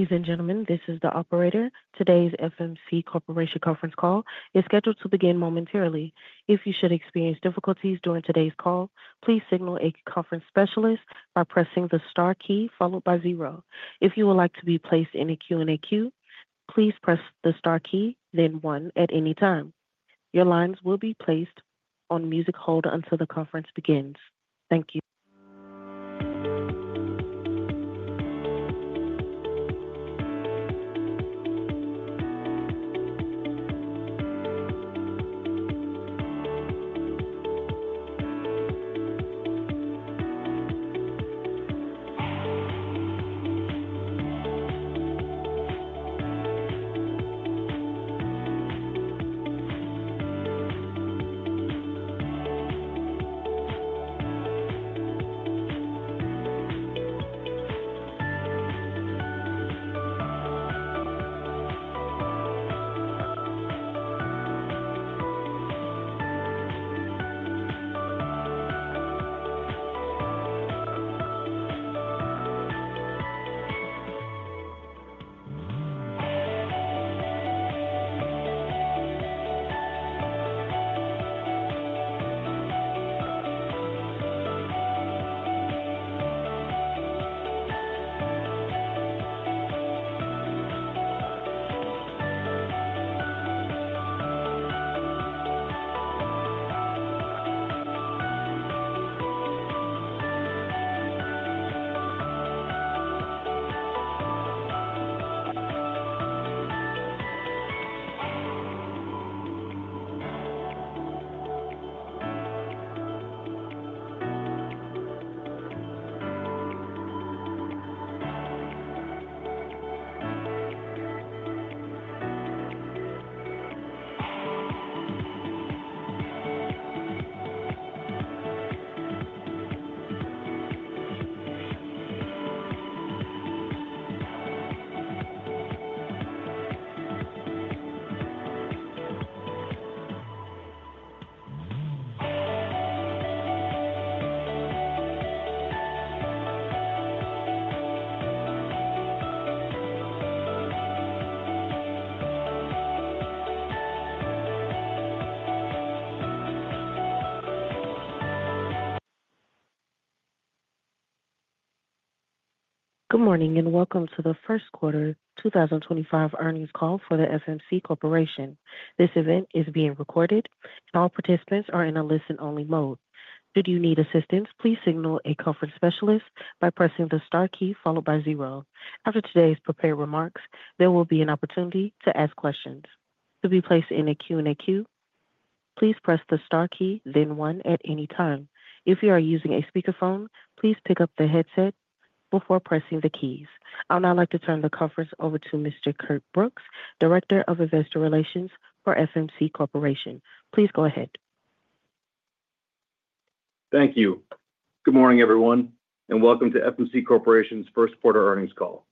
Ladies and gentlemen, this is the operator. Today's FMC Corporation Conference Call is scheduled to begin momentarily. If you should experience difficulties during today's call, please signal a conference specialist by pressing the star key followed by zero. If you would like to be placed in a Q&A queue, please press the star key, then one at any time. Your lines will be placed on music hold until the conference begins. Thank you. Good morning and welcome to the Q1 2025 earnings call for FMC Corporation. This event is being recorded, and all participants are in a listen-only mode. Should you need assistance, please signal a conference specialist by pressing the star key followed by zero. After today's prepared remarks, there will be an opportunity to ask questions. To be placed in a Q&A queue, please press the star key, then one at any time. If you are using a speakerphone, please pick up the headset before pressing the keys. I would now like to turn the conference over to Mr. Curt Brooks, Director of Investor Relations for FMC Corporation. Please go ahead. Thank you. Good morning, everyone, and welcome to FMC Corporation's Q1 earnings call.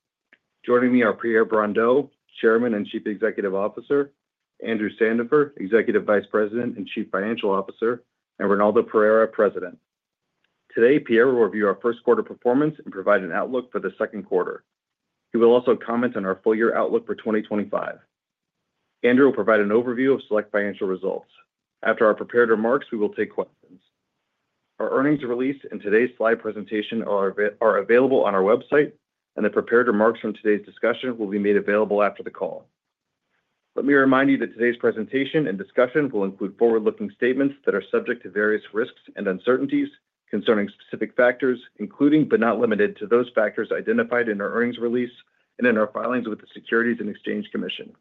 Joining me are Pierre Brondeau, Chairman and Chief Executive Officer; Andrew Sandifer, Executive Vice President and Chief Financial Officer; and Ronaldo Pereira, President. Today, Pierre will review our Q1 performance and provide an outlook for the Q2. He will also comment on our full year outlook for 2025. Andrew will provide an overview of select financial results. After our prepared remarks, we will take questions. Our earnings release and today's slide presentation are available on our website, and the prepared remarks from today's discussion will be made available after the call. Let me remind you that today's presentation and discussion will include forward-looking statements that are subject to various risks and uncertainties concerning specific factors, including but not limited to those factors identified in our earnings release and in our filings with the Securities and Exchange Commission.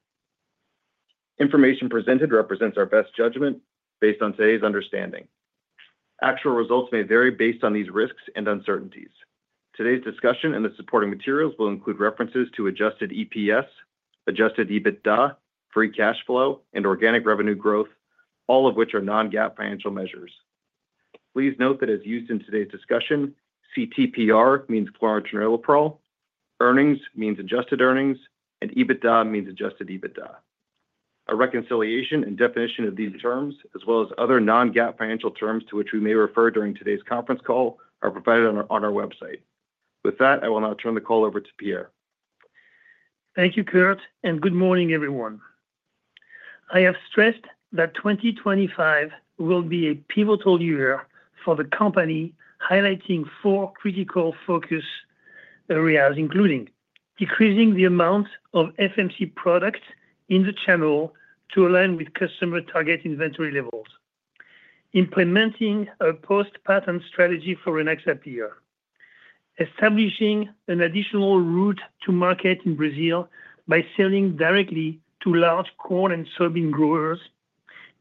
Information presented represents our best judgment based on today's understanding. Actual results may vary based on these risks and uncertainties. Today's discussion and the supporting materials will include references to adjusted EPS, adjusted EBITDA, free cash flow, and organic revenue growth, all of which are non-GAAP financial measures. Please note that as used in today's discussion, CTPR means chlorantraniliprole, earnings means adjusted earnings, and EBITDA means adjusted EBITDA. A reconciliation and definition of these terms, as well as other non-GAAP financial terms to which we may refer during today's conference call, are provided on our website. With that, I will now turn the call over to Pierre. Thank you, Curt, and good morning, everyone. I have stressed that 2025 will be a pivotal year for the company, highlighting four critical focus areas, including decreasing the amount of FMC product in the channel to align with customer target inventory levels, implementing a post-patent strategy for the next half year, establishing an additional route to market in Brazil by selling directly to large corn and soybean growers,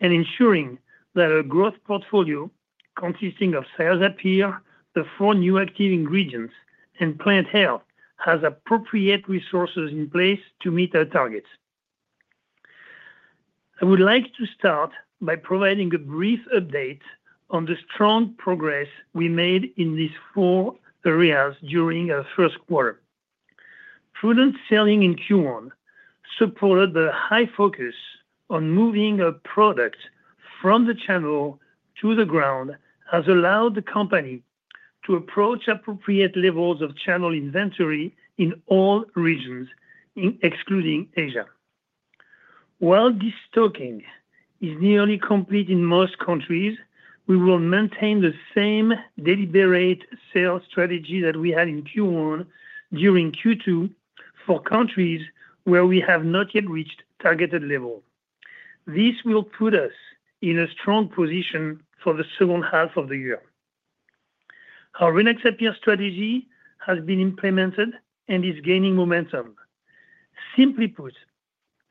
and ensuring that a growth portfolio consisting of Cyazypyr®, the four new active ingredients, and plant health has appropriate resources in place to meet our targets. I would like to start by providing a brief update on the strong progress we made in these four areas during our Q1. Prudent selling in Q1 supported the high focus on moving our product from the channel to the ground, has allowed the company to approach appropriate levels of channel inventory in all regions, excluding Asia. While this stocking is nearly complete in most countries, we will maintain the same deliberate sales strategy that we had in Q1 during Q2 for countries where we have not yet reached targeted level. This will put us in a strong position for the second half of the year. Our next-year strategy has been implemented and is gaining momentum. Simply put,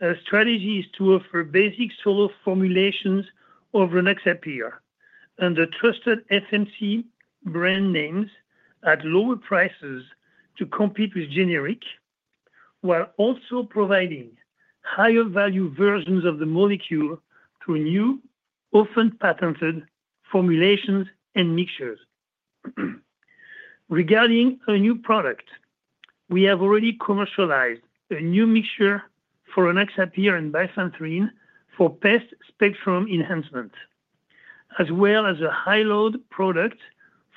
our strategy is to offer basic solo formulations of the Rynaxypyr® under trusted FMC brand names at lower prices to compete with generic, while also providing higher value versions of the molecule through new, often patented formulations and mixtures. Regarding a new product, we have already commercialized a new mixture for an Rynaxypyr® and bifenthrin for pest spectrum enhancement, as well as a high-load product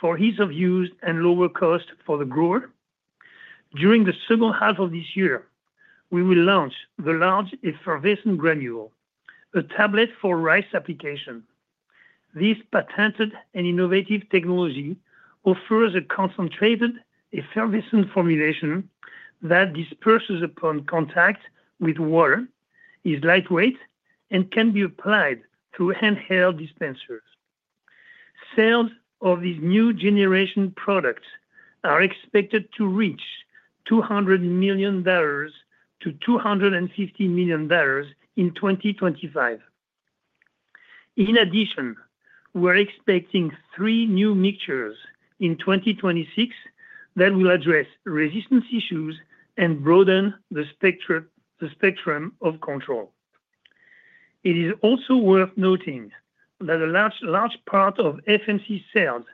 for ease of use and lower cost for the grower. During the second half of this year, we will launch the large effervescent granule, a tablet for rice application. This patented and innovative technology offers a concentrated effervescent formulation that disperses upon contact with water, is lightweight, and can be applied through handheld dispensers. Sales of these new generation products are expected to reach $200 million-$250 million in 2025. In addition, we're expecting three new mixtures in 2026 that will address resistance issues and broaden the spectrum of control. It is also worth noting that a large part of FMC sales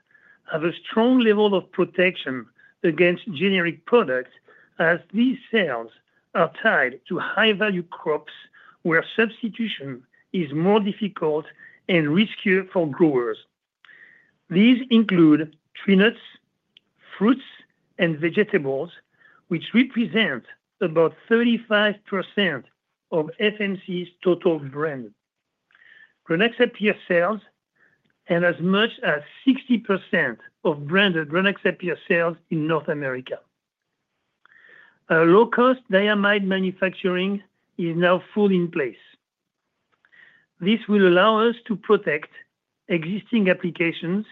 have a strong level of protection against generic products, as these sales are tied to high-value crops where substitution is more difficult and riskier for growers. These include tree nuts, fruits, and vegetables, which represent about 35% of FMC's total brand. Rynaxypyr® sales have as much as 60% of branded Rynaxypyr® sales in North America. Low-cost diamide manufacturing is now fully in place. This will allow us to protect existing applications,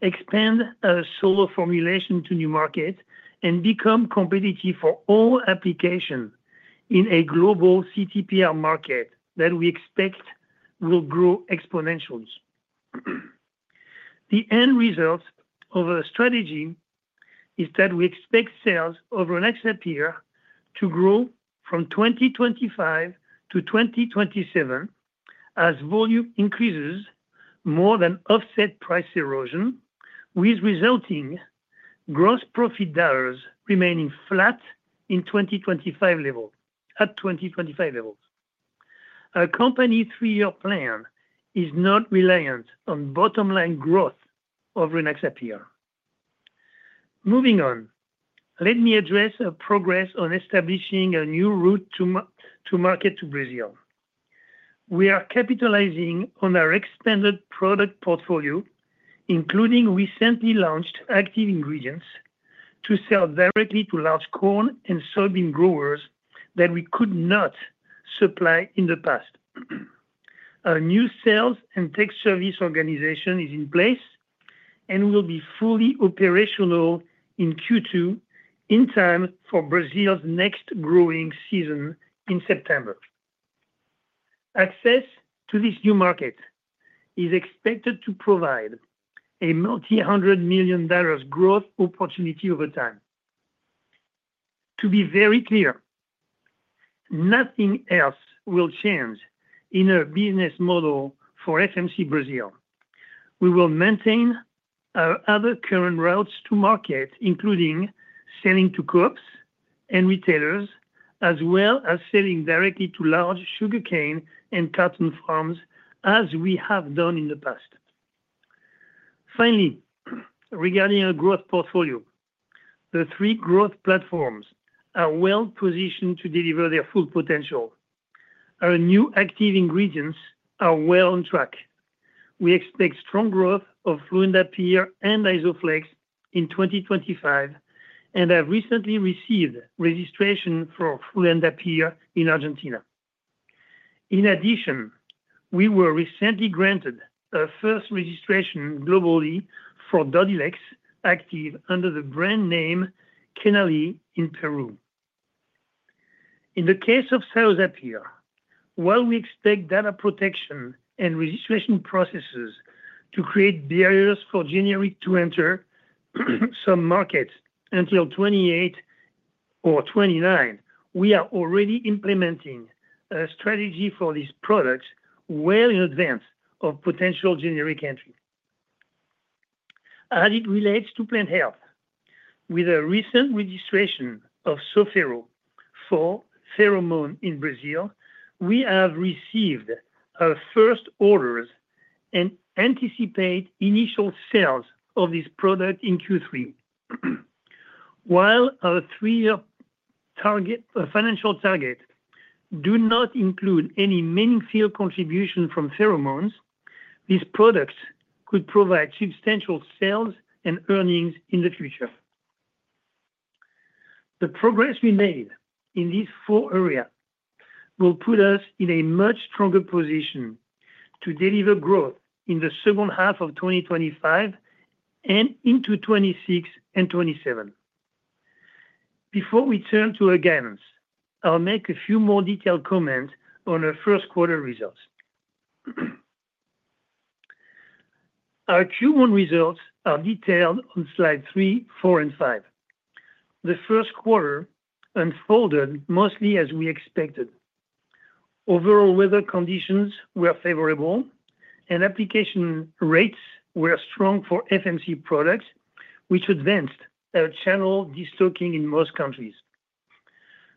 expand our solo formulation to new markets, and become competitive for all applications in a global CTPR market that we expect will grow exponentially. The end result of our strategy is that we expect sales over the next year to grow from 2025 to 2027 as volume increases more than offset price erosion, with resulting gross profit dollars remaining flat at 2025 levels. Our company's three-year plan is not reliant on bottom-line growth of Rynaxypyr®. Moving on, let me address our progress on establishing a new route to market to Brazil. We are capitalizing on our expanded product portfolio, including recently launched active ingredients, to sell directly to large corn and soybean growers that we could not supply in the past. A new sales and tech service organization is in place and will be fully operational in Q2 in time for Brazil's next growing season in September. Access to this new market is expected to provide a multi-hundred million dollar growth opportunity over time. To be very clear, nothing else will change in our business model for FMC Brazil. We will maintain our other current routes to market, including selling to co-ops and retailers, as well as selling directly to large sugarcane and cotton farms, as we have done in the past. Finally, regarding our growth portfolio, the three growth platforms are well positioned to deliver their full potential. Our new active ingredients are well on track. We expect strong growth of fluindapyr and Isoflex in 2025 and have recently received registration for fluindapyr in Argentina. In addition, we were recently granted our first registration globally for Dodhylex™, active under the brand name Keenali™ in Peru. In the case of Cyazypyr®, while we expect data protection and registration processes to create barriers for generics to enter some markets until 2028 or 2029, we are already implementing a strategy for these products well in advance of potential generic entry. As it relates to plant health, with a recent registration of Sofero™ fall pheromone in Brazil, we have received our first orders and anticipate initial sales of this product in Q3. While our three-year financial target does not include any meaningful contribution from pheromones, these products could provide substantial sales and earnings in the future. The progress we made in these four areas will put us in a much stronger position to deliver growth in the second half of 2025 and into 2026 and 2027. Before we turn to our guidance, I'll make a few more detailed comments on our Q1 results. Our Q1 results are detailed on slide three, four, and five. The Q1 unfolded mostly as we expected. Overall weather conditions were favorable, and application rates were strong for FMC products, which advanced our channel destocking in most countries.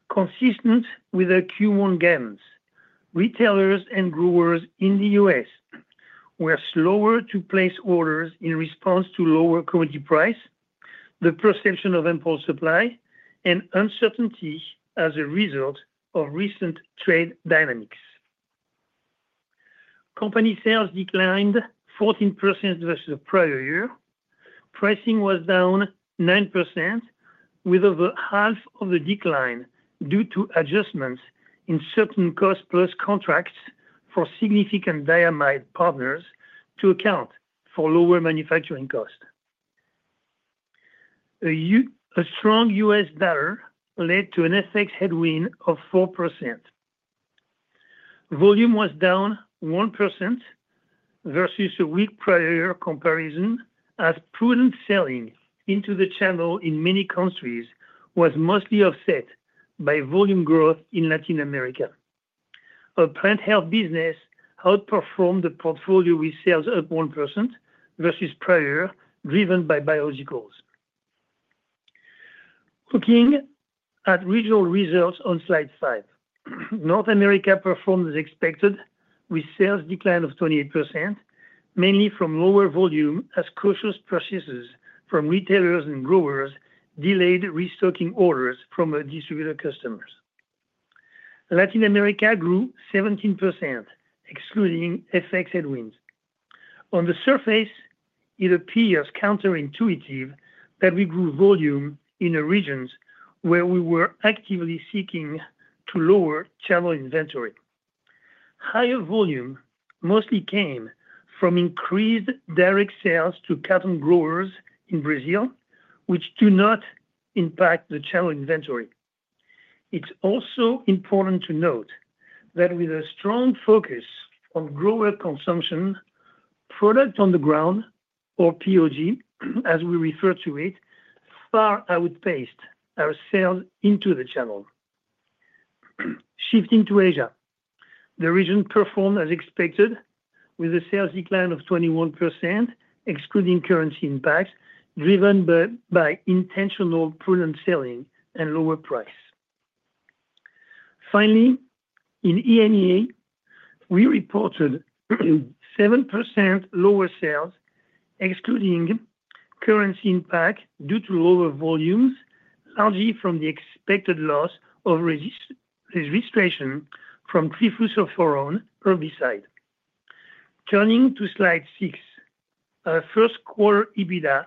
Consistent with our Q1 guidance, retailers and growers in the U.S. were slower to place orders in response to lower commodity price, the perception of impulse supply, and uncertainty as a result of recent trade dynamics. Company sales declined 14% versus the prior year. Pricing was down 9%, with over half of the decline due to adjustments in certain cost-plus contracts for significant diamide partners to account for lower manufacturing costs. A strong U.S. dollar led to an FX headwind of 4%. Volume was down 1% versus a year prior comparison, as prudent selling into the channel in many countries was mostly offset by volume growth in Latin America. Our plant health business outperformed the portfolio with sales up 1% versus prior, driven by biologicals. Looking at regional results on slide five, North America performed as expected with sales decline of 28%, mainly from lower volume as cautious purchases from retailers and growers delayed restocking orders from our distributor customers. Latin America grew 17%, excluding FX headwinds. On the surface, it appears counterintuitive that we grew volume in the regions where we were actively seeking to lower channel inventory. Higher volume mostly came from increased direct sales to cotton growers in Brazil, which do not impact the channel inventory. It's also important to note that with a strong focus on grower consumption, product on the ground, or POG, as we refer to it, far outpaced our sales into the channel. Shifting to Asia, the region performed as expected with a sales decline of 21%, excluding currency impacts driven by intentional prudent selling and lower price. Finally, in EMEA, we reported 7% lower sales, excluding currency impact due to lower volumes, largely from the expected loss of registration from triflusulfuron herbicide. Turning to slide six, our Q1 EBITDA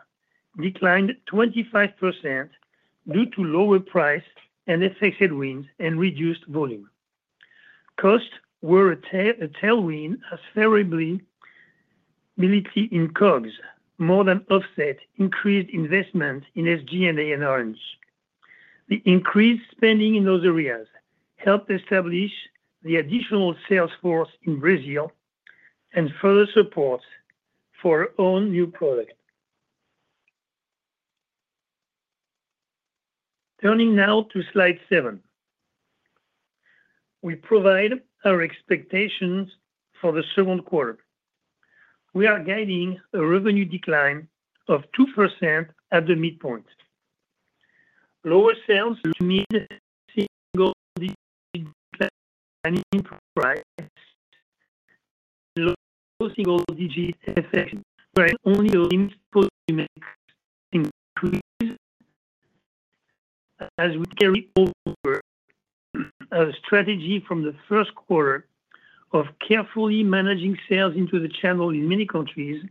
declined 25% due to lower price and FX headwinds and reduced volume. Costs were a tailwind, as favorability in COGS more than offset increased investment in SG&A and R&D. The increased spending in those areas helped establish the additional sales force in Brazil and further support for our own new product. Turning now to slide seven, we provide our expectations for the Q2. We are guiding a revenue decline of 2% at the midpoint. Lower sales to [inaudible] price, low single-digit FX only means [inaudible] increase as we carry over our strategy from the Q1 of carefully managing sales into the channel in many countries.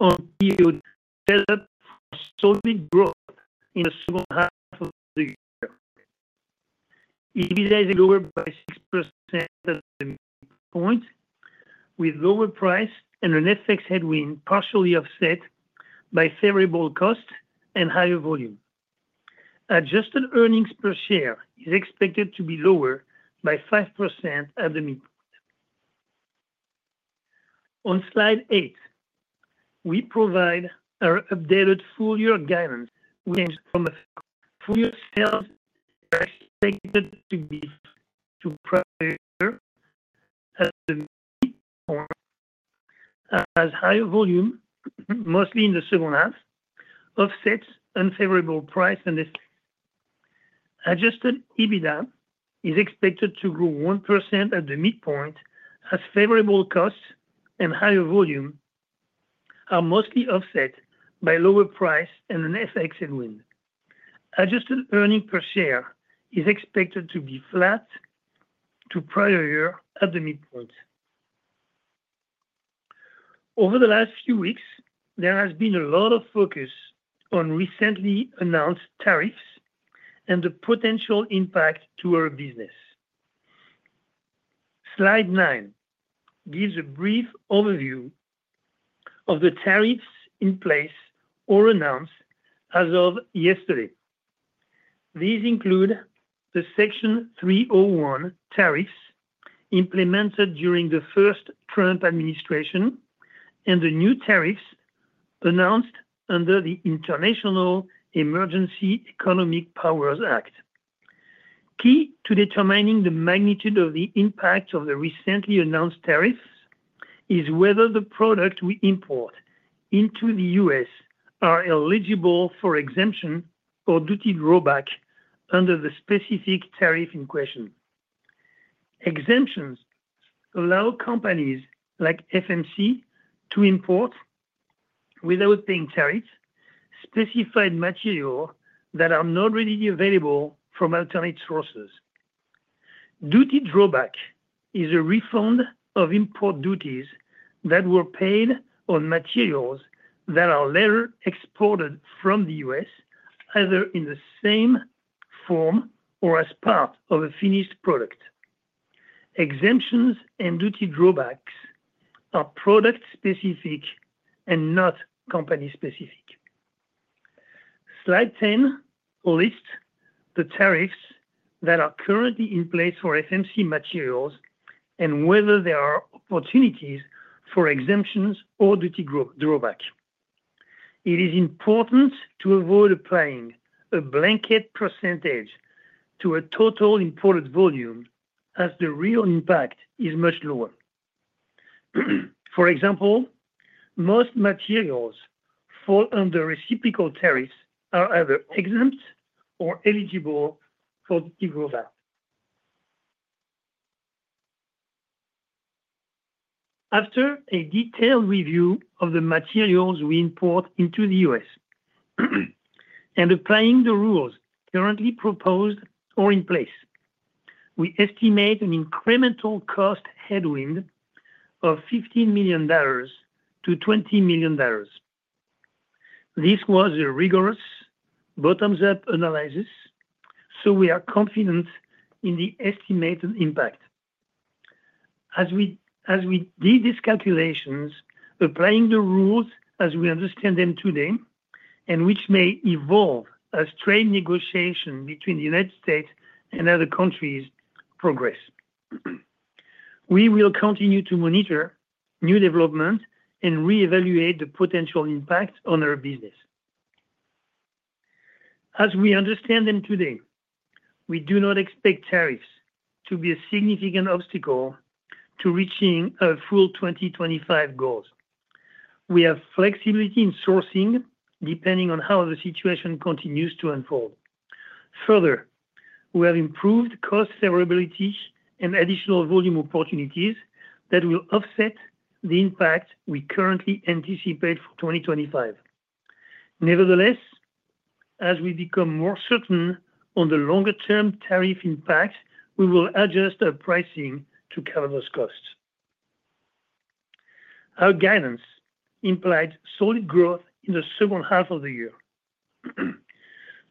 On period developed solid growth in the second half of the year. EBITDA is lower by 6% at the midpoint, with lower price and an FX headwind partially offset by favorable cost and higher volume. Adjusted earnings per share is expected to be lower by 5% at the midpoint. On slide eight, we provide our updated full year guidance. From a full year sales, we are expected to be to prior at the midpoint, as higher volume, mostly in the second half, offsets unfavorable price and. Adjusted EBITDA is expected to grow 1% at the midpoint, as favorable costs and higher volume are mostly offset by lower price and an FX headwind. Adjusted earnings per share is expected to be flat to prior year at the midpoint. Over the last few weeks, there has been a lot of focus on recently announced tariffs and the potential impact to our business. Slide nine gives a brief overview of the tariffs in place or announced as of yesterday. These include the Section 301 tariffs implemented during the first Trump administration and the new tariffs announced under the International Emergency Economic Powers Act. Key to determining the magnitude of the impact of the recently announced tariffs is whether the product we import into the U.S.. is eligible for exemption or duty rollback under the specific tariff in question. Exemptions allow companies like FMC to import without paying tariffs specified material that are not readily available from alternate sources. Duty drawback is a refund of import duties that were paid on materials that are later exported from the U.S., either in the same form or as part of a finished product. Exemptions and duty drawbacks are product-specific and not company-specific. Slide 10 lists the tariffs that are currently in place for FMC materials and whether there are opportunities for exemptions or duty drawback. It is important to avoid applying a blanket percentage to a total imported volume as the real impact is much lower. For example, most materials that fall under reciprocal tariffs are either exempt or eligible for duty rollback. After a detailed review of the materials we import into the U.S. and applying the rules currently proposed or in place, we estimate an incremental cost headwind of $15 million-$20 million. This was a rigorous bottoms-up analysis, so we are confident in the estimated impact. As we did these calculations, applying the rules as we understand them today, which may evolve as trade negotiations between the United States and other countries progress. We will continue to monitor new developments and reevaluate the potential impact on our business. As we understand them today, we do not expect tariffs to be a significant obstacle to reaching our full 2025 goals. We have flexibility in sourcing depending on how the situation continues to unfold. Further, we have improved cost favorability and additional volume opportunities that will offset the impact we currently anticipate for 2025. Nevertheless, as we become more certain on the longer-term tariff impact, we will adjust our pricing to cover those costs. Our guidance implies solid growth in the second half of the year.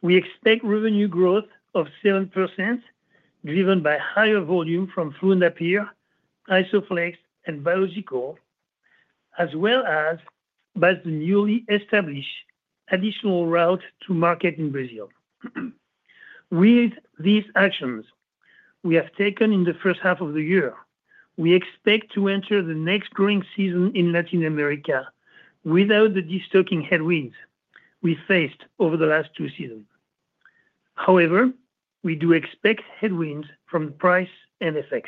We expect revenue growth of 7% driven by higher volume from fluindapyr, Isoflex, and biologicals, as well as by the newly established additional route to market in Brazil. With these actions we have taken in the first half of the year, we expect to enter the next growing season in Latin America without the destocking headwinds we faced over the last two seasons. However, we do expect headwinds from price and FX.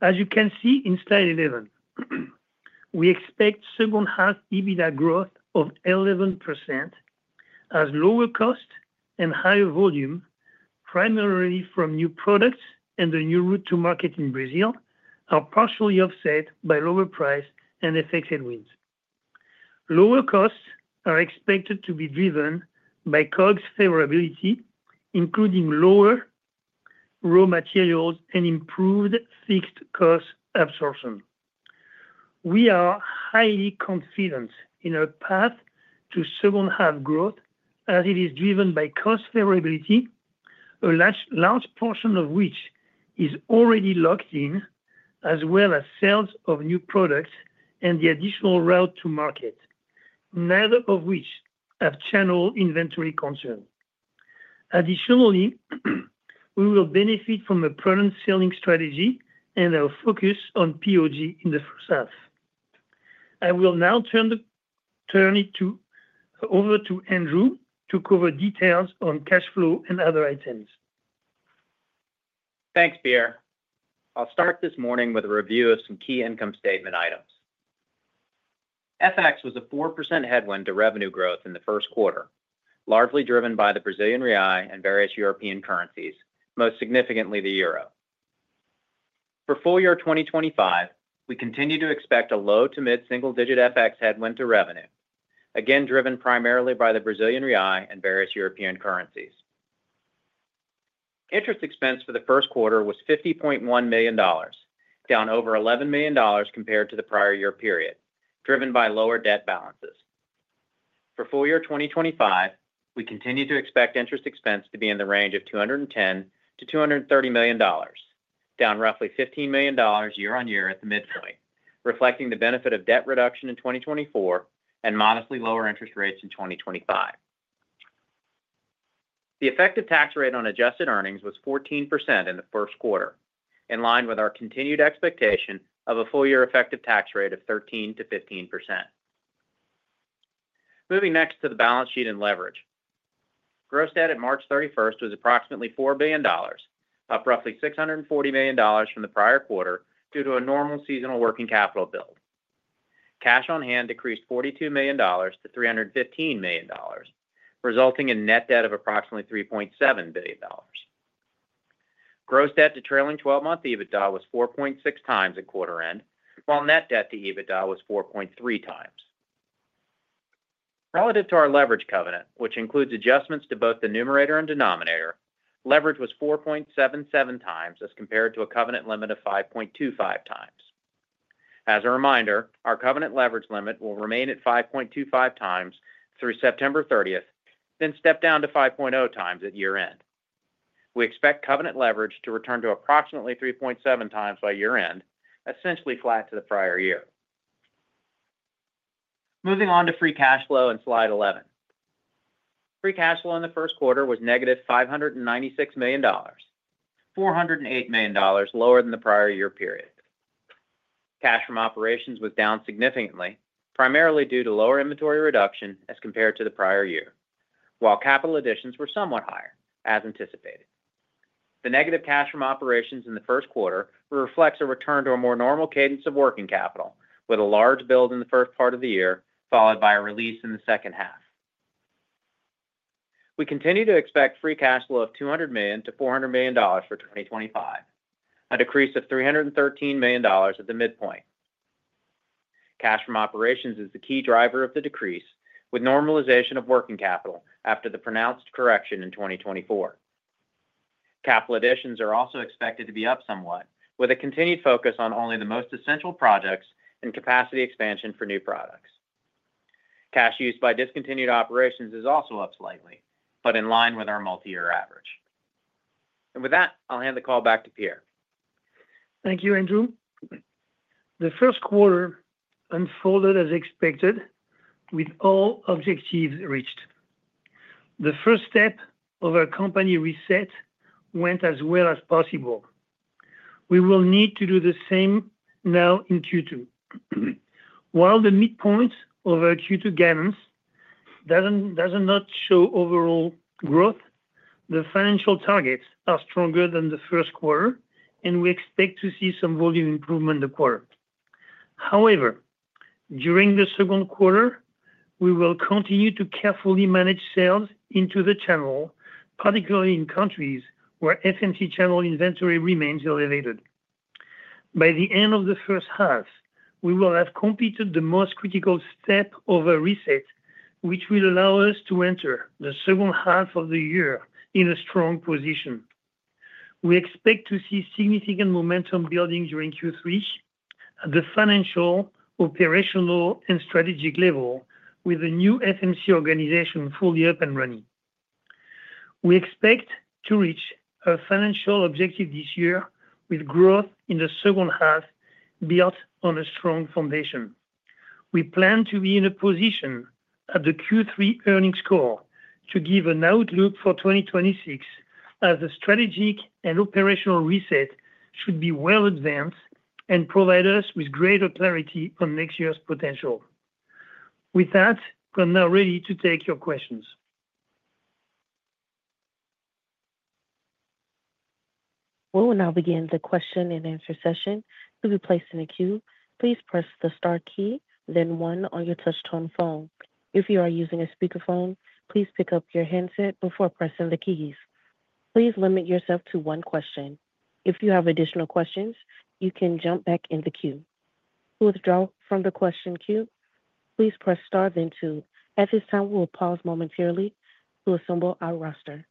As you can see in slide 11, we expect second-half EBITDA growth of 11% as lower costs and higher volume, primarily from new products and the new route to market in Brazil, are partially offset by lower price and FX headwinds. Lower costs are expected to be driven by COGS favorability, including lower raw materials and improved fixed cost absorption. We are highly confident in our path to second-half growth as it is driven by cost favorability, a large portion of which is already locked in, as well as sales of new products and the additional route to market, neither of which have channel inventory concerns. Additionally, we will benefit from a prudent selling strategy and our focus on POG in the first half. I will now turn it over to Andrew to cover details on cash flow and other items. Thanks, Pierre. I'll start this morning with a review of some key income statement items. FX was a 4% headwind to revenue growth in the Q1, largely driven by the Brazilian real and various European currencies, most significantly the euro. For full year 2025, we continue to expect a low to mid-single-digit FX headwind to revenue, again driven primarily by the Brazilian real and various European currencies. Interest expense for the Q1 was $50.1 million, down over $11 million compared to the prior year period, driven by lower debt balances. For full year 2025, we continue to expect interest expense to be in the range of $210-$230 million, down roughly $15 million year on year at the midpoint, reflecting the benefit of debt reduction in 2024 and modestly lower interest rates in 2025. The effective tax rate on adjusted earnings was 14% in the Q1, in line with our continued expectation of a full year effective tax rate of 13%-15%. Moving next to the balance sheet and leverage. Gross debt at 31 March 2025 was approximately $4 billion, up roughly $640 million from the prior quarter due to a normal seasonal working capital build. Cash on hand decreased $42 million to $315 million, resulting in net debt of approximately $3.7 billion. Gross debt to trailing 12-month EBITDA was 4.6x at quarter end, while net debt to EBITDA was 4.3x. Relative to our leverage covenant, which includes adjustments to both the numerator and denominator, leverage was 4.77x as compared to a covenant limit of 5.25x. As a reminder, our covenant leverage limit will remain at 5.25x through 30 September 2025, then step down to 5.0x at year-end. We expect covenant leverage to return to approximately 3.7x by year-end, essentially flat to the prior year. Moving on to free cash flow and slide 11. Free cash flow in the Q1 was negative $596 million, $408 million lower than the prior year period. Cash from operations was down significantly, primarily due to lower inventory reduction as compared to the prior year, while capital additions were somewhat higher, as anticipated. The negative cash from operations in the Q1 reflects a return to a more normal cadence of working capital, with a large build in the first part of the year followed by a release in the second half. We continue to expect free cash flow of $200 million-$400 million for 2025, a decrease of $313 million at the midpoint. Cash from operations is the key driver of the decrease, with normalization of working capital after the pronounced correction in 2024. Capital additions are also expected to be up somewhat, with a continued focus on only the most essential projects and capacity expansion for new products. Cash used by discontinued operations is also up slightly, but in line with our multi-year average. With that, I'll hand the call back to Pierre. Thank you, Andrew. The Q1 unfolded as expected, with all objectives reached. The first step of our company reset went as well as possible. We will need to do the same now in Q2. While the midpoint of our Q2 guidance does not show overall growth, the financial targets are stronger than the Q1, and we expect to see some volume improvement in the quarter. However, during the Q2, we will continue to carefully manage sales into the channel, particularly in countries where FMC channel inventory remains elevated. By the end of the first half, we will have completed the most critical step of our reset, which will allow us to enter the second half of the year in a strong position. We expect to see significant momentum building during Q3 at the financial, operational, and strategic level, with the new FMC organization fully up and running. We expect to reach our financial objective this year with growth in the second half built on a strong foundation. We plan to be in a position at the Q3 earnings call to give an outlook for 2026, as the strategic and operational reset should be well advanced and provide us with greater clarity on next year's potential. With that, we're now ready to take your questions. We will now begin the question and answer session. To be placed in a queue, please press the star key, then one on your touch-tone phone. If you are using a speakerphone, please pick up your handset before pressing the keys. Please limit yourself to one question. If you have additional questions, you can jump back in the queue. To withdraw from the question queue, please press star then two. At this time, we will pause momentarily to assemble our roster.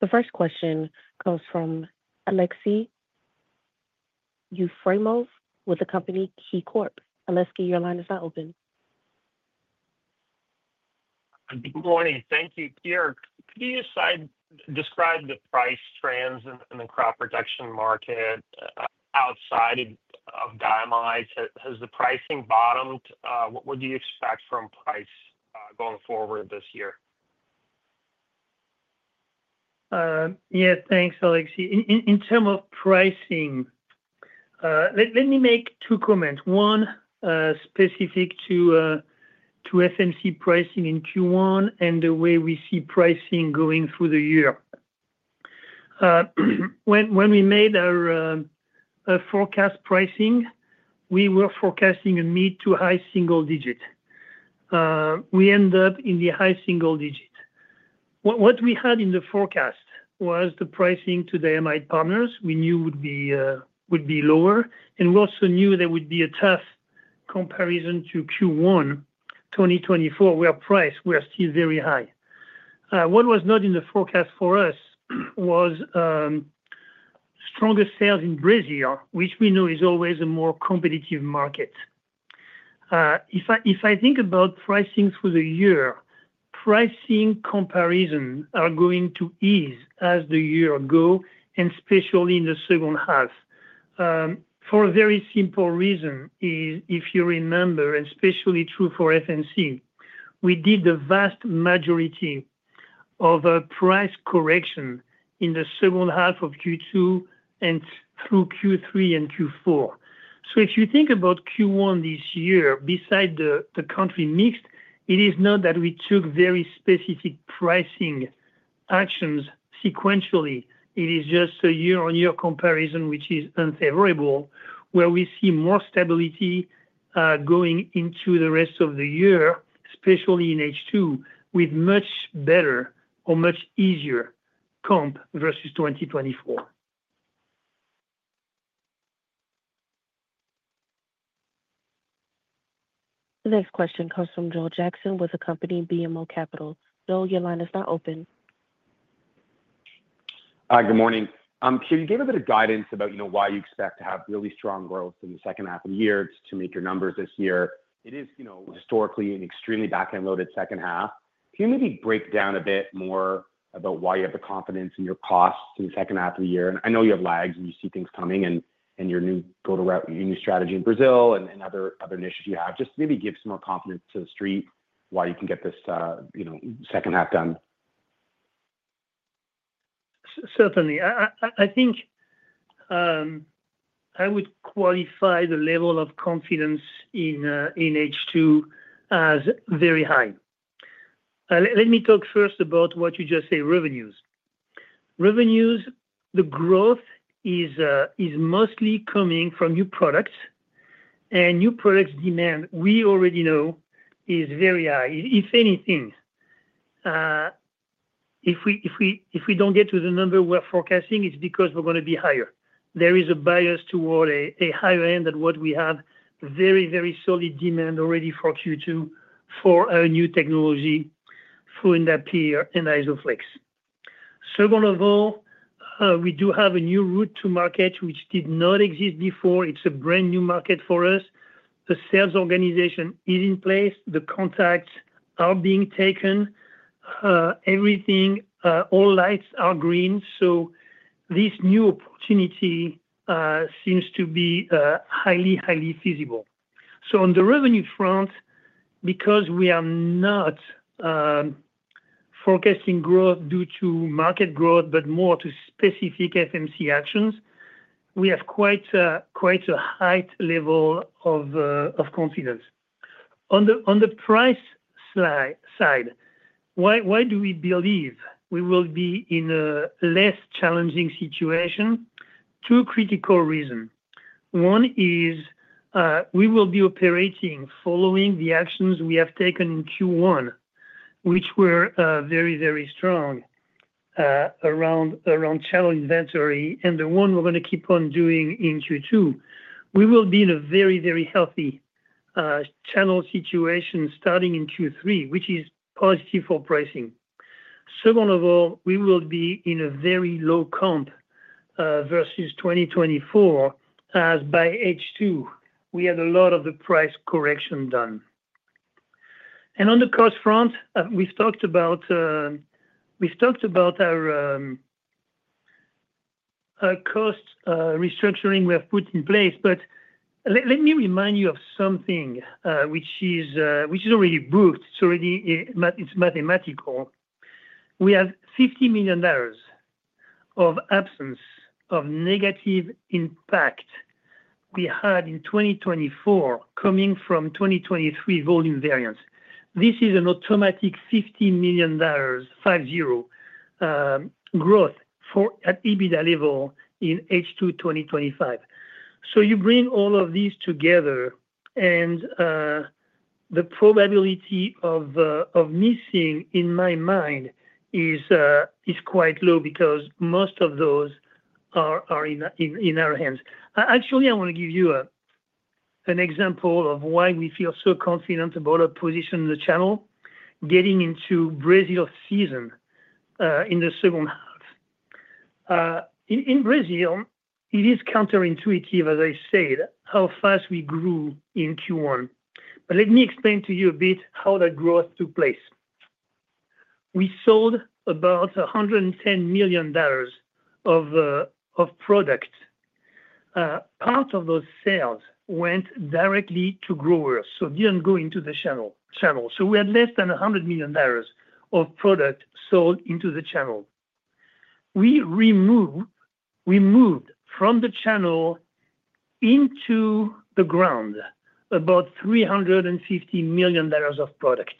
The first question comes from Aleksey Yefremov with the company KeyCorp. Aleksey, your line is now open. Good morning. Thank you, Pierre. Could you describe the price trends in the crop production market outside of diamide? Has the pricing bottomed? What do you expect from price going forward this year? Yeah, thanks, Aleksey. In terms of pricing, let me make two comments. One specific to FMC pricing in Q1 and the way we see pricing going through the year. When we made our forecast pricing, we were forecasting a mid to high single digit. We ended up in the high single digit. What we had in the forecast was the pricing to diamide partners we knew would be lower, and we also knew there would be a tough comparison to Q1 2024, where price was still very high. What was not in the forecast for us was stronger sales in Brazil, which we know is always a more competitive market. If I think about pricing for the year, pricing comparisons are going to ease as the year goes, and especially in the second half. For a very simple reason, if you remember, and especially true for FMC, we did the vast majority of a price correction in the second half of Q2 and through Q3 and Q4. If you think about Q1 this year, besides the country mix, it is not that we took very specific pricing actions sequentially. It is just a year-on-year comparison, which is unfavorable, where we see more stability going into the rest of the year, especially in H2, with much better or much easier comp versus 2024. The next question comes from Joel Jackson with the company BMO Capital Markets. Joel, your line is now open. Hi, good morning. You gave a bit of guidance about why you expect to have really strong growth in the second half of the year to make your numbers this year. It is historically an extremely back-end loaded second half. Can you maybe break down a bit more about why you have the confidence in your costs in the second half of the year? I know you have lags and you see things coming and your new go-to route, your new strategy in Brazil and other initiatives you have. Just maybe give some more confidence to the street why you can get this second half done. Certainly. I think I would qualify the level of confidence in H2 as very high. Let me talk first about what you just said, revenues. Revenues, the growth is mostly coming from new products, and new products demand, we already know, is very high, if anything. If we do not get to the number we are forecasting, it is because we are going to be higher. There is a bias toward a higher end than what we have, very, very solid demand already for Q2 for our new technology, fluindapyr and Isoflex. Second of all, we do have a new route to market, which did not exist before. It is a brand new market for us. The sales organization is in place. The contacts are being taken. Everything, all lights are green. This new opportunity seems to be highly, highly feasible. On the revenue front, because we are not forecasting growth due to market growth, but more to specific FMC actions, we have quite a high level of confidence. On the price side, why do we believe we will be in a less challenging situation? Two critical reasons. One is we will be operating following the actions we have taken in Q1, which were very, very strong around channel inventory and the one we're going to keep on doing in Q2. We will be in a very, very healthy channel situation starting in Q3, which is positive for pricing. Second of all, we will be in a very low comp versus 2024, as by H2, we had a lot of the price correction done. On the cost front, we've talked about our cost restructuring we have put in place. Let me remind you of something which is already booked. It's mathematical. We have $50 million of absence of negative impact we had in 2024 coming from 2023 volume variance. This is an automatic $50 million, five-zero, growth at EBITDA level in H2 2025. You bring all of these together, and the probability of missing in my mind is quite low because most of those are in our hands. Actually, I want to give you an example of why we feel so confident about our position in the channel getting into Brazil season in the second half. In Brazil, it is counterintuitive, as I said, how fast we grew in Q1. Let me explain to you a bit how that growth took place. We sold about $110 million of product. Part of those sales went directly to growers, so it did not go into the channel. We had less than $100 million of product sold into the channel. We moved from the channel into the ground about $350 million of product,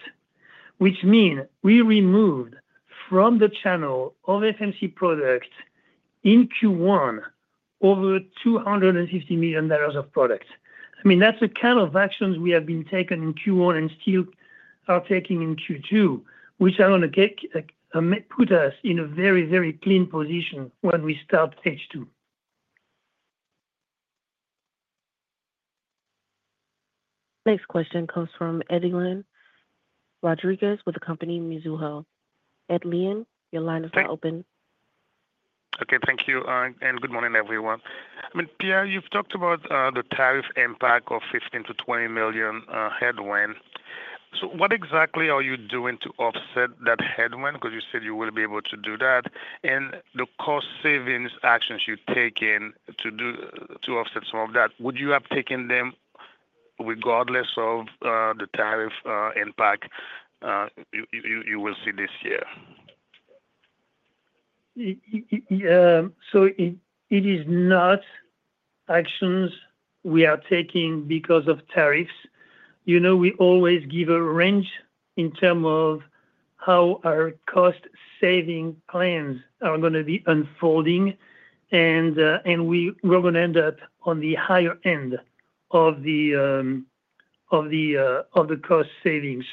which means we removed from the channel of FMC product in Q1 over $250 million of product. I mean, that's the kind of actions we have been taking in Q1 and still are taking in Q2, which are going to put us in a very, very clean position when we start H2. The next question comes from Edlain Rodriguez with the company Mizuho. Edlain, your line is now open. Okay, thank you. And good morning, everyone. I mean, Pierre, you've talked about the tariff impact of $15 million-$20 million headwind. What exactly are you doing to offset that headwind? Because you said you will be able to do that. The cost savings actions you've taken to offset some of that, would you have taken them regardless of the tariff impact you will see this year? It is not actions we are taking because of tariffs. We always give a range in terms of how our cost saving plans are going to be unfolding, and we're going to end up on the higher end of the cost savings.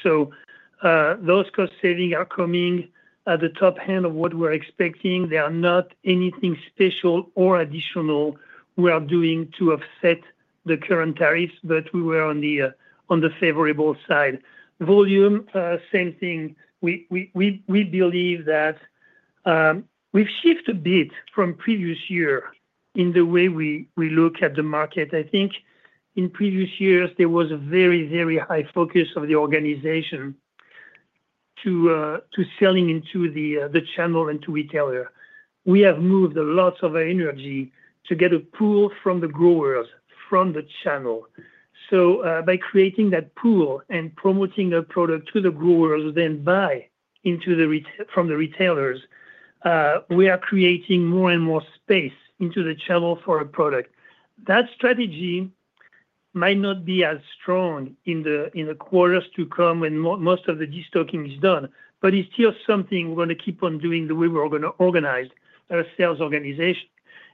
Those cost savings are coming at the top end of what we're expecting. They are not anything special or additional we are doing to offset the current tariffs, but we were on the favorable side. Volume, same thing. We believe that we've shifted a bit from previous year in the way we look at the market. I think in previous years, there was a very, very high focus of the organization to selling into the channel and to retailer. We have moved a lot of our energy to get a pull from the growers from the channel. By creating that pool and promoting a product to the growers, then buy from the retailers, we are creating more and more space into the channel for a product. That strategy might not be as strong in the quarters to come when most of the destocking is done, but it's still something we're going to keep on doing the way we're going to organize our sales organization.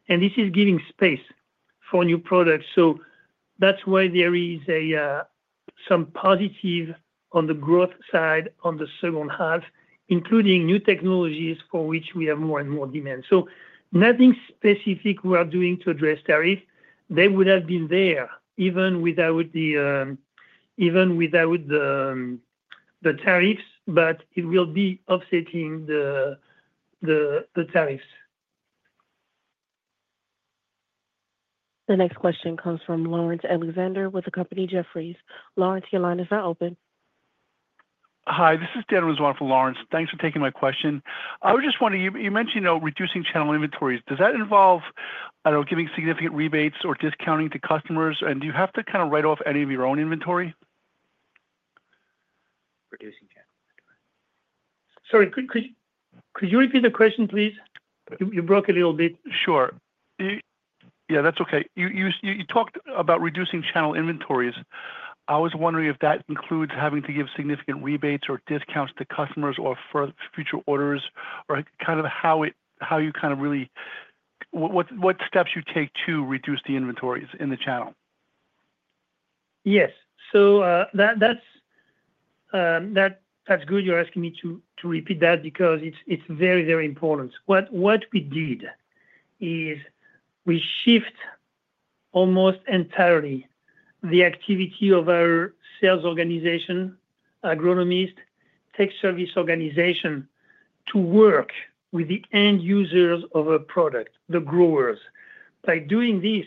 This is giving space for new products. That is why there is some positive on the growth side on the second half, including new technologies for which we have more and more demand. Nothing specific we are doing to address tariffs. They would have been there even without the tariffs, but it will be offsetting the tariffs. The next question comes from Lawrence Alexander with the company Jefferies. Lawrence, your line is now open. Hi, this is Dan Rizzo for Lawrence. Thanks for taking my question. I was just wondering, you mentioned reducing channel inventories. Does that involve giving significant rebates or discounting to customers? And do you have to kind of write off any of your own inventory? Sorry, could you repeat the question, please? You broke a little bit. Sure. Yeah, that's okay. You talked about reducing channel inventories. I was wondering if that includes having to give significant rebates or discounts to customers or for future orders, or kind of how you kind of really what steps you take to reduce the inventories in the channel. Yes. That is good you're asking me to repeat that because it's very, very important. What we did is we shift almost entirely the activity of our sales organization, agronomist, tech service organization to work with the end users of a product, the growers. By doing this,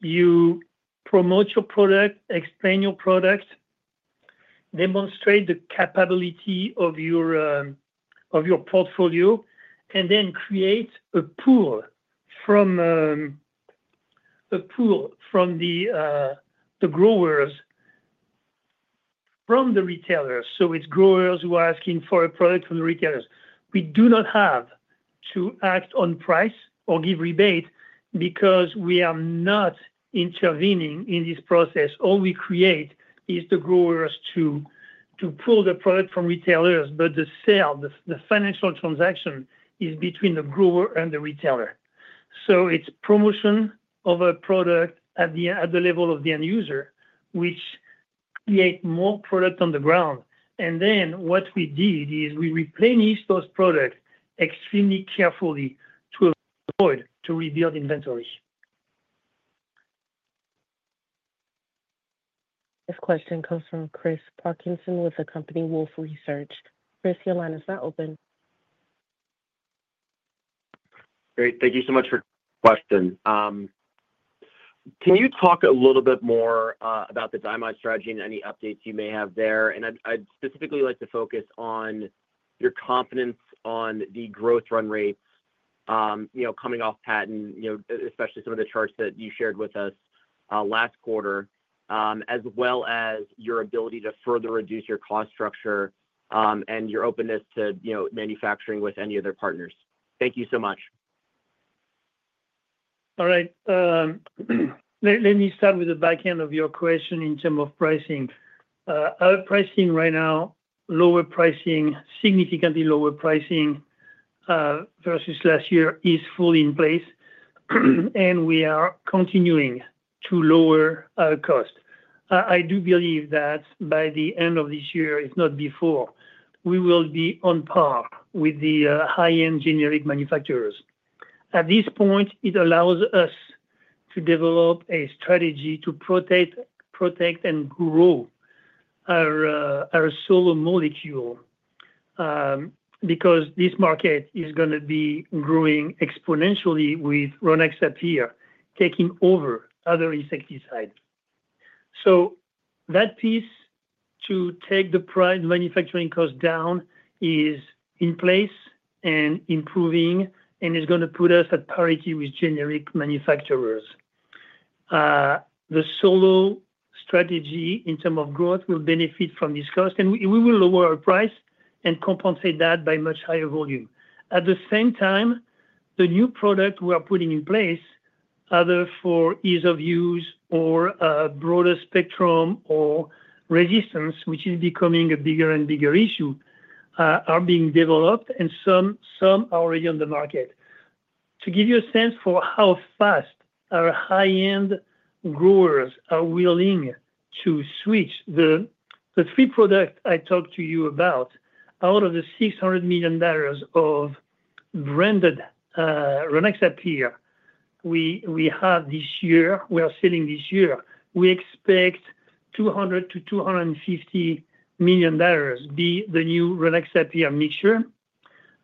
you promote your product, explain your product, demonstrate the capability of your portfolio, and then create a pull from the growers, from the retailers. It is growers who are asking for a product from the retailers. We do not have to act on price or give rebate because we are not intervening in this process. All we create is the growers to pull the product from retailers, but the sale, the financial transaction is between the grower and the retailer. It is promotion of a product at the level of the end user, which creates more product on the ground. What we did is we replenished those products extremely carefully to avoid rebuilding inventory. This question comes from Chris Parkinson with the company Wolfe Research. Chris, your line is now open. Great. Thank you so much for the question. Can you talk a little bit more about the diamide strategy and any updates you may have there? I'd specifically like to focus on your confidence on the growth run rates coming off patent, especially some of the charts that you shared with us last quarter, as well as your ability to further reduce your cost structure and your openness to manufacturing with any other partners. Thank you so much. All right. Let me start with the back end of your question in terms of pricing. Our pricing right now, lower pricing, significantly lower pricing versus last year is fully in place, and we are continuing to lower our cost. I do believe that by the end of this year, if not before, we will be on par with the high-end generic manufacturers. At this point, it allows us to develop a strategy to protect and grow our solo molecule because this market is going to be growing exponentially with Rynaxypyr® taking over other insecticides. That piece to take the pride manufacturing cost down is in place and improving, and it is going to put us at parity with generic manufacturers. The solo strategy in terms of growth will benefit from this cost, and we will lower our price and compensate that by much higher volume. At the same time, the new product we are putting in place, either for ease of use or broader spectrum or resistance, which is becoming a bigger and bigger issue, are being developed, and some are already on the market. To give you a sense for how fast our high-end growers are willing to switch, the three products I talked to you about, out of the $600 million of branded Rynaxypyr® we have this year, we are selling this year, we expect $200-$250 million be the new Rynaxypyr® mixture,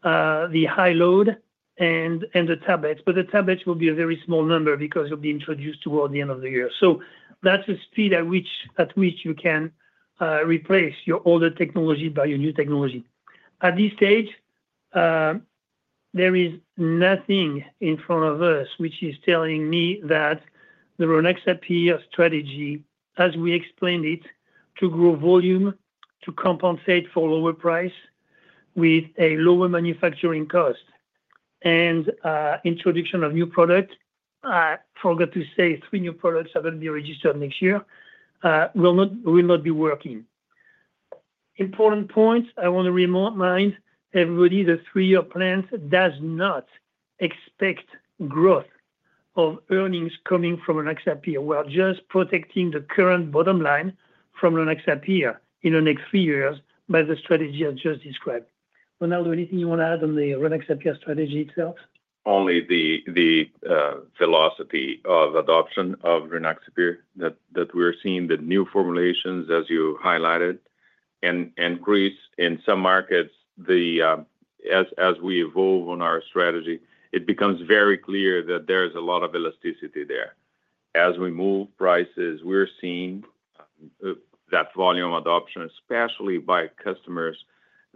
the high load, and the tablets. The tablets will be a very small number because it will be introduced toward the end of the year. That is a speed at which you can replace your older technology by your new technology. At this stage, there is nothing in front of us which is telling me that the Rynaxypyr® strategy, as we explained it, to grow volume, to compensate for lower price with a lower manufacturing cost and introduction of new product—forgot to say three new products are going to be registered next year—will not be working. Important points. I want to remind everybody the three-year plan does not expect growth of earnings coming from Rynaxypyr®. We are just protecting the current bottom line from Rynaxypyr® in the next three years by the strategy I just described. Ronaldo, anything you want to add on the Rynaxypyr® strategy itself? Only the velocity of adoption of Rynaxypyr® that we're seeing, the new formulations, as you highlighted, increased in some markets, as we evolve on our strategy, it becomes very clear that there is a lot of elasticity there. As we move prices, we're seeing that volume adoption, especially by customers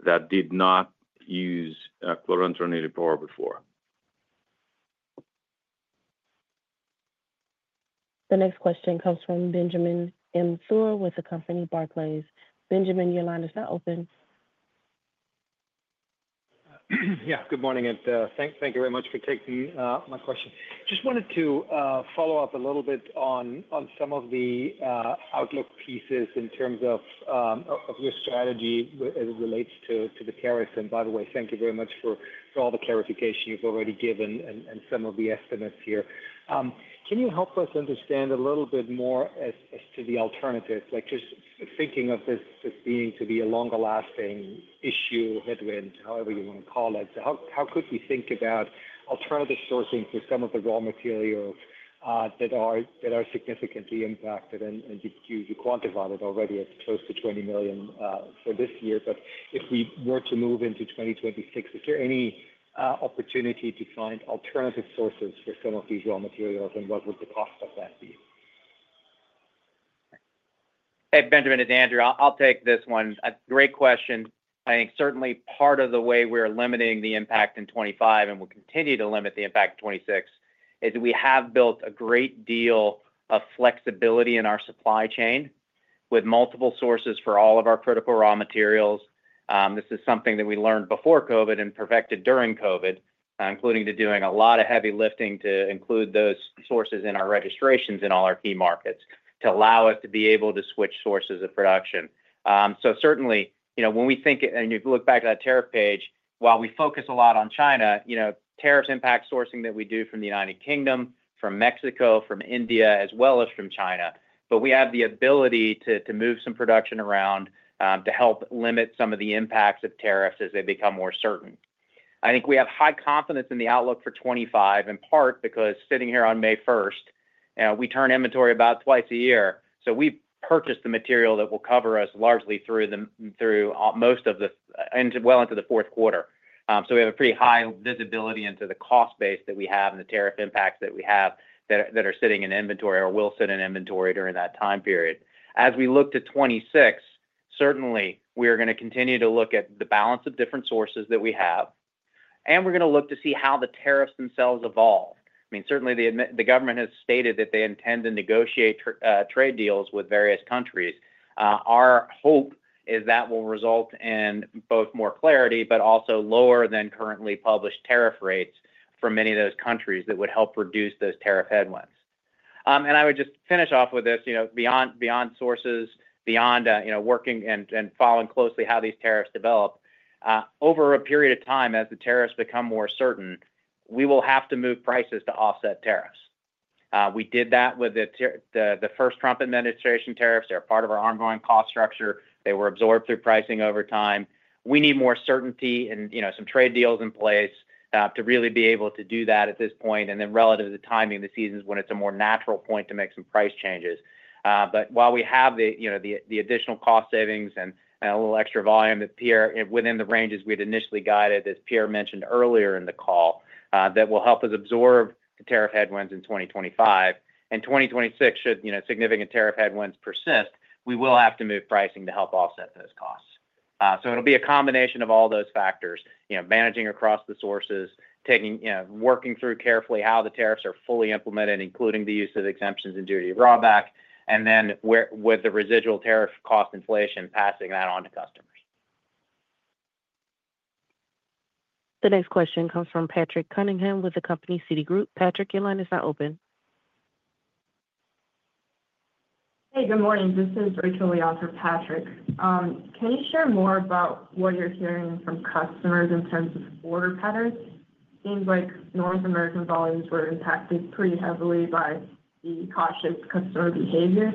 that did not use chlorantraniliprole before. The next question comes from Benjamin Theurer with the company Barclays. Benjamin, your line is now open. Yeah, good morning, and thank you very much for taking my question. Just wanted to follow up a little bit on some of the outlook pieces in terms of your strategy as it relates to the tariffs. By the way, thank you very much for all the clarification you've already given and some of the estimates here. Can you help us understand a little bit more as to the alternatives, just thinking of this being to be a longer-lasting issue, headwind, however you want to call it? How could we think about alternative sourcing for some of the raw materials that are significantly impacted? You quantified it already as close to $20 million for this year. If we were to move into 2026, is there any opportunity to find alternative sources for some of these raw materials, and what would the cost of that be? Hey, Benjamin, it's Andrew. I'll take this one. Great question. I think certainly part of the way we're limiting the impact in 2025, and we'll continue to limit the impact in 2026, is we have built a great deal of flexibility in our supply chain with multiple sources for all of our critical raw materials. This is something that we learned before COVID and perfected during COVID, including doing a lot of heavy lifting to include those sources in our registrations in all our key markets to allow us to be able to switch sources of production. Certainly, when we think and you look back at that tariff page, while we focus a lot on China, tariffs impact sourcing that we do from the United Kingdom, from Mexico, from India, as well as from China. We have the ability to move some production around to help limit some of the impacts of tariffs as they become more certain. I think we have high confidence in the outlook for 2025, in part because sitting here on May 1, we turn inventory about twice a year. We purchase the material that will cover us largely through most of the well into the Q4. We have a pretty high visibility into the cost base that we have and the tariff impacts that we have that are sitting in inventory or will sit in inventory during that time period. As we look to 2026, certainly, we are going to continue to look at the balance of different sources that we have, and we're going to look to see how the tariffs themselves evolve. I mean, certainly, the government has stated that they intend to negotiate trade deals with various countries. Our hope is that will result in both more clarity but also lower than currently published tariff rates for many of those countries that would help reduce those tariff headwinds. I would just finish off with this: beyond sources, beyond working and following closely how these tariffs develop, over a period of time, as the tariffs become more certain, we will have to move prices to offset tariffs. We did that with the first Trump administration tariffs. They're part of our ongoing cost structure. They were absorbed through pricing over time. We need more certainty and some trade deals in place to really be able to do that at this point, and then relative to the timing, the season's when it's a more natural point to make some price changes. While we have the additional cost savings and a little extra volume within the ranges we had initially guided, as Pierre mentioned earlier in the call, that will help us absorb the tariff headwinds in 2025. In 2026, should significant tariff headwinds persist, we will have to move pricing to help offset those costs. It will be a combination of all those factors: managing across the sources, working through carefully how the tariffs are fully implemented, including the use of exemptions and duty drawback, and then with the residual tariff cost inflation passing that on to customers. The next question comes from Patrick Cunningham with the company Citigroup. Patrick, your line is now open. Hey, good morning. This is Rachel Lee on for Patrick. Can you share more about what you're hearing from customers in terms of order patterns? It seems like North American volumes were impacted pretty heavily by the cautious customer behavior.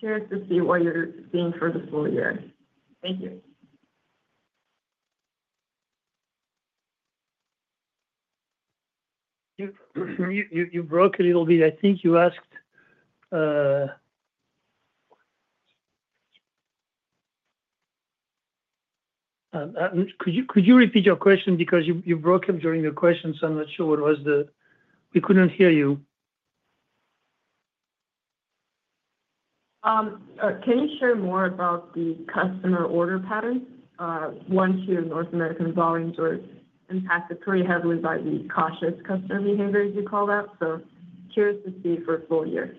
Curious to see what you're seeing for the full year. Thank you. You broke a little bit. Could you repeat your question? Because you broke up during your question, we couldn't hear you. Can you share more about the customer order patterns? Once your North American volumes were impacted pretty heavily by the cautious customer behavior, as you call that? Curious to see for the full year.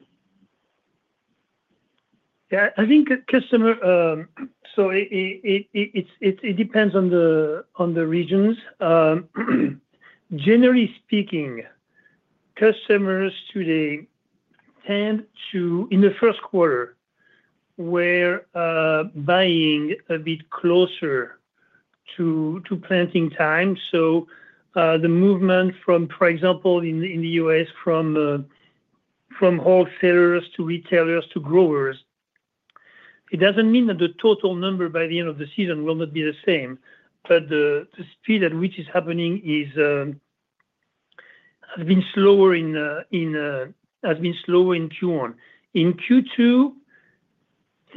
Yeah, I think so it depends on the regions. Generally speaking, customers today tend to, in the Q1, were buying a bit closer to planting time. The movement from, for example, in the U.S., from wholesalers to retailers to growers, it does not mean that the total number by the end of the season will not be the same. The speed at which it is happening has been slower in Q1. In Q2,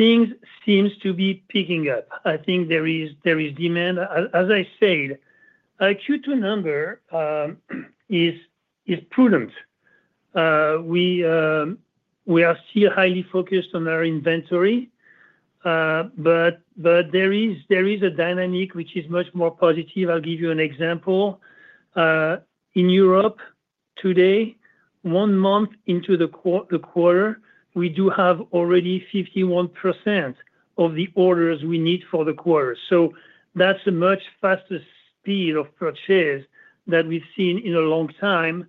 things seem to be picking up. I think there is demand. As I said, our Q2 number is prudent. We are still highly focused on our inventory, but there is a dynamic which is much more positive. I will give you an example. In Europe today, one month into the quarter, we do have already 51% of the orders we need for the quarter. That is a much faster speed of purchase than we have seen in a long time,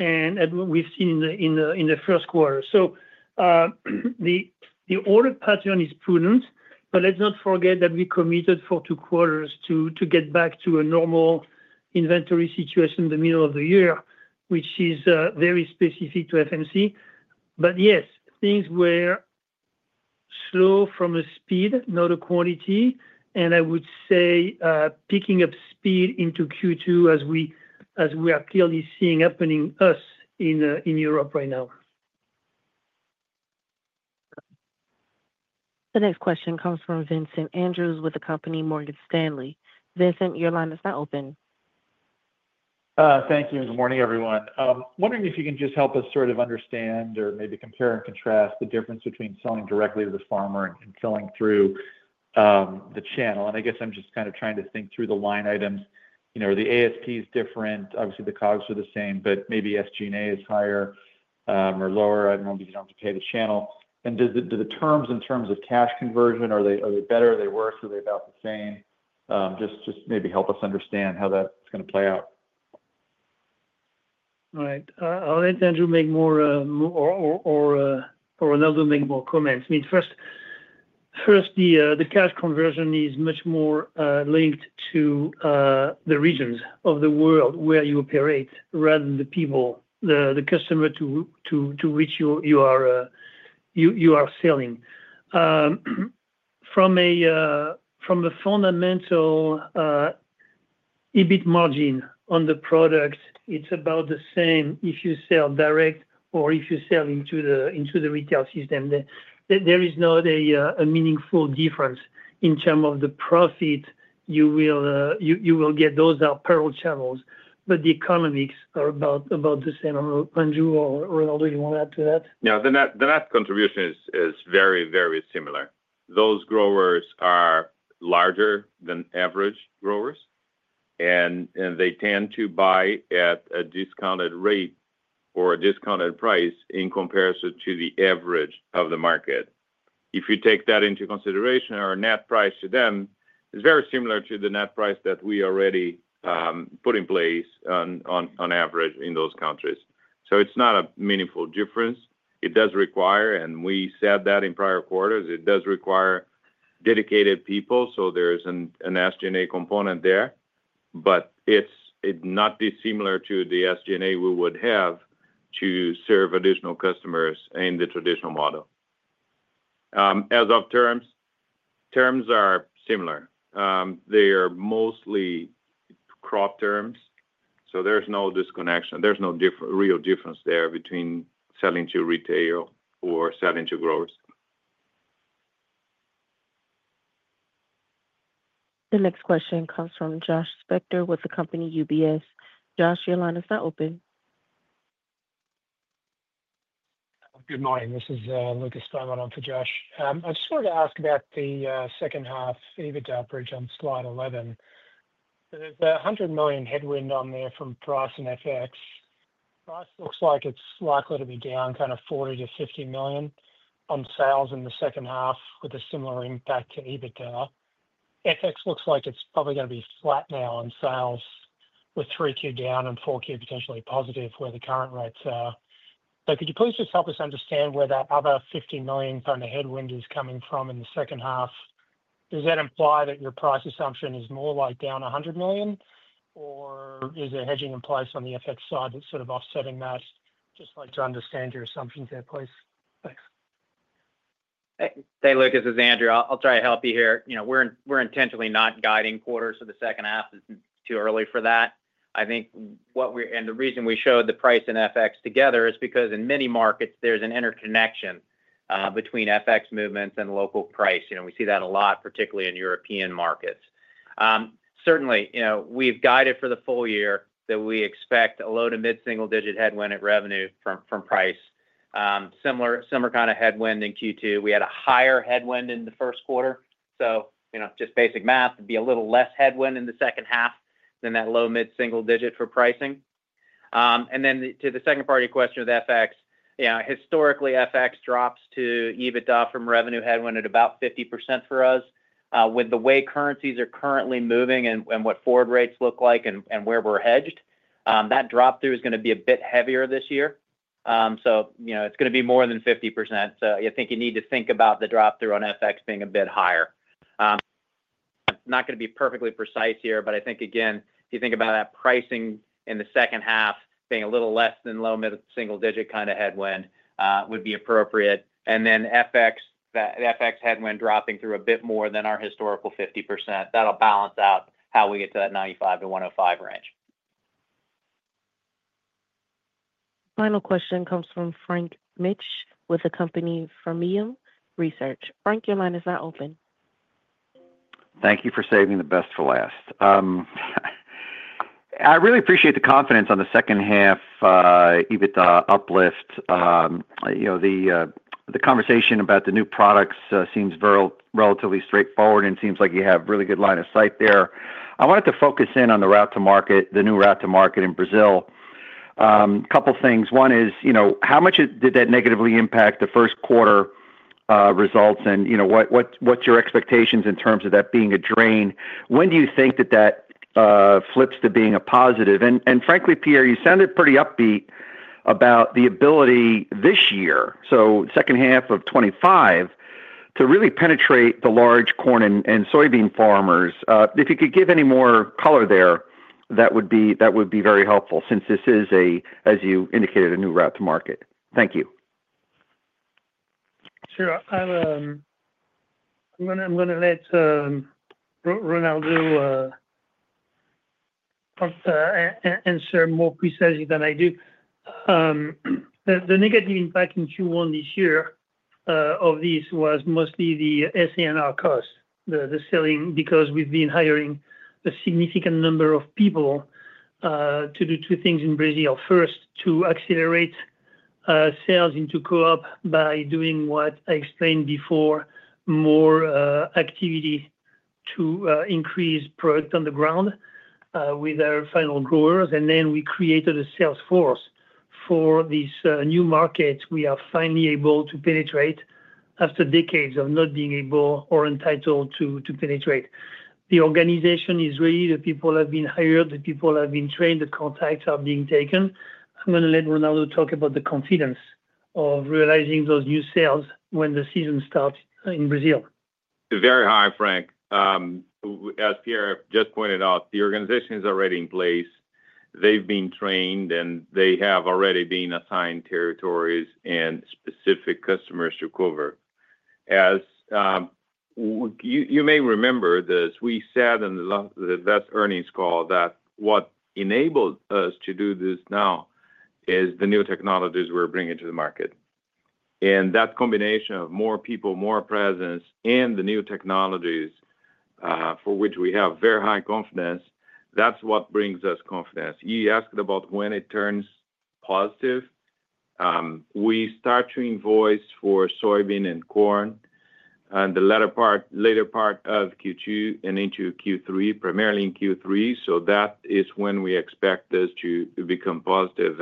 and than we saw in the Q1. The order pattern is prudent, but let's not forget that we committed for two quarters to get back to a normal inventory situation in the middle of the year, which is very specific to FMC. Yes, things were slow from a speed, not a quality, and I would say picking up speed into Q2, as we are clearly seeing happening in Europe right now. The next question comes from Vincent Andrews with Morgan Stanley. Vincent, your line is now open. Thank you. Good morning, everyone. Wondering if you can just help us sort of understand or maybe compare and contrast the difference between selling directly to the farmer and selling through the channel. I guess I'm just kind of trying to think through the line items. The ASP is different. Obviously, the COGS are the same, but maybe SG&A is higher or lower. I don't know if you don't have to pay the channel. And do the terms in terms of cash conversion, are they better? Are they worse? Are they about the same? Just maybe help us understand how that's going to play out. All right. I'll let Andrew make more or Ronaldo make more comments. I mean, first, the cash conversion is much more linked to the regions of the world where you operate rather than the people, the customer to which you are selling. From a fundamental EBIT margin on the product, it's about the same if you sell direct or if you sell into the retail system. There is not a meaningful difference in terms of the profit you will get; those are parallel channels. But the economics are about the same. Andrew or Ronaldo, you want to add to that? No, the net contribution is very, very similar. Those growers are larger than average growers, and they tend to buy at a discounted rate or a discounted price in comparison to the average of the market. If you take that into consideration, our net price to them is very similar to the net price that we already put in place on average in those countries. It is not a meaningful difference. It does require, and we said that in prior quarters, it does require dedicated people. There is an SG&A component there, but it is not dissimilar to the SG&A we would have to serve additional customers in the traditional model. As of terms, terms are similar. They are mostly crop terms. There is no disconnection. There is no real difference there between selling to retail or selling to growers. The next question comes from Josh Spector with the company UBS. Josh, your line is now open. Good morning. This is Lucas Steinman on for Josh. I just wanted to ask about the second-half EBITDA bridge on slide 11. There's a $100 million headwind on there from Price and FX. Price looks like it's likely to be down kind of $40-$50 million on sales in the second half with a similar impact to EBITDA. FX looks like it's probably going to be flat now on sales with Q3 down and Q4 potentially positive where the current rates are. Could you please just help us understand where that other $50 million kind of headwind is coming from in the second half? Does that imply that your price assumption is more like down $100 million, or is there hedging in place on the FX side that's sort of offsetting that? Just like to understand your assumptions there, please. Thanks. Hey, Lucas. This is Andrew. I'll try to help you here. We're intentionally not guiding quarters to the second half. It's too early for that. The reason we showed the price and FX together is because in many markets, there's an interconnection between FX movements and local price. We see that a lot, particularly in European markets. Certainly, we've guided for the full year that we expect a low to mid-single-digit headwind at revenue from price. Similar kind of headwind in Q2. We had a higher headwind in the Q1. Just basic math, it'd be a little less headwind in the second half than that low-mid single-digit for pricing. To the second part of your question with FX, historically, FX drops to EBITDA from revenue headwind at about 50% for us. With the way currencies are currently moving and what forward rates look like and where we're hedged, that drop-through is going to be a bit heavier this year. It's going to be more than 50%. I think you need to think about the drop-through on FX being a bit higher. Not going to be perfectly precise here, but I think, again, if you think about that pricing in the second half being a little less than low-mid single-digit kind of headwind would be appropriate. FX headwind dropping through a bit more than our historical 50%. That'll balance out how we get to that 95-105 range. Final question comes from Frank Mitsch with the company Fermium Research. Frank, your line is now open. Thank you for saving the best for last. I really appreciate the confidence on the second half EBITDA uplift. The conversation about the new products seems relatively straightforward, and it seems like you have a really good line of sight there. I wanted to focus in on the route to market, the new route to market in Brazil. A couple of things. One is, how much did that negatively impact the Q1 results? What's your expectations in terms of that being a drain? When do you think that that flips to being a positive? Frankly, Pierre, you sounded pretty upbeat about the ability this year, so second half of 2025, to really penetrate the large corn and soybean farmers. If you could give any more color there, that would be very helpful since this is, as you indicated, a new route to market. Thank you. Sure. I'm going to let Ronaldo answer more precisely than I do. The negative impact in Q1 this year of this was mostly the SG&A cost, the selling, because we've been hiring a significant number of people to do two things in Brazil. First, to accelerate sales into co-op by doing what I explained before, more activity to increase product on the ground with our final growers. We created a sales force for these new markets. We are finally able to penetrate after decades of not being able or entitled to penetrate. The organization is ready. The people have been hired. The people have been trained. The contacts are being taken. I'm going to let Ronaldo talk about the confidence of realizing those new sales when the season starts in Brazil. Very high, Frank. As Pierre just pointed out, the organization is already in place. They've been trained, and they have already been assigned territories and specific customers to cover. As you may remember this, we said in the last earnings call that what enabled us to do this now is the new technologies we're bringing to the market. That combination of more people, more presence, and the new technologies for which we have very high confidence, that's what brings us confidence. You asked about when it turns positive. We start to invoice for soybean and corn in the later part of Q2 and into Q3, primarily in Q3. That is when we expect this to become positive.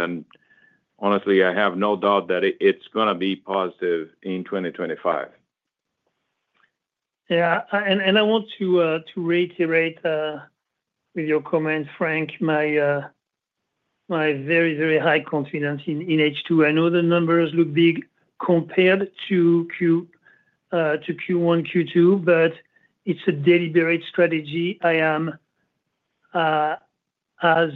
Honestly, I have no doubt that it's going to be positive in 2025. Yeah. I want to reiterate with your comments, Frank, my very, very high confidence in H2. I know the numbers look big compared to Q1, Q2, but it's a deliberate strategy. I am as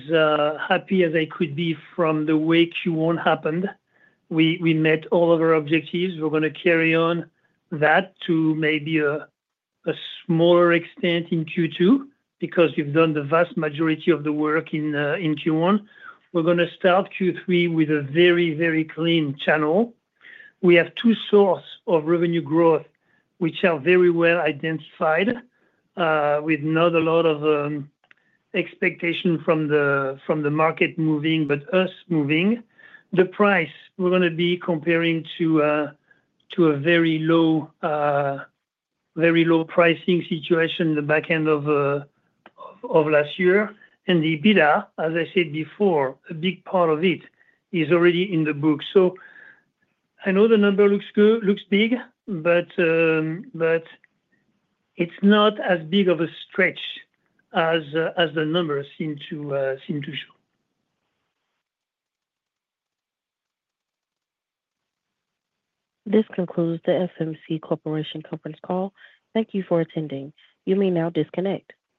happy as I could be from the way Q1 happened. We met all of our objectives. We're going to carry on that to maybe a smaller extent in Q2 because we've done the vast majority of the work in Q1. We're going to start Q3 with a very, very clean channel. We have two sources of revenue growth, which are very well identified with not a lot of expectation from the market moving, but us moving. The price, we're going to be comparing to a very low pricing situation in the back end of last year. And the EBITDA, as I said before, a big part of it is already in the book. I know the number looks big, but it's not as big of a stretch as the numbers seem to show. This concludes the FMC Corporation Conference call. Thank you for attending. You may now disconnect.